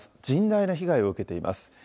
甚大な被害を受けています。